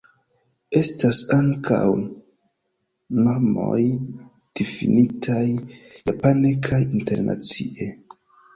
Estas ankaŭ normoj difinitaj japane kaj internacie.